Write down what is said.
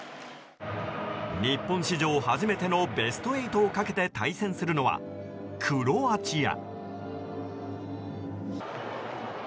日本史上初めてのベスト８をかけて対戦するのはクロアチア。